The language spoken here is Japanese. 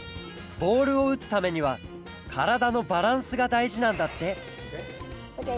ボールをうつためにはからだのバランスがだいじなんだってオーケー！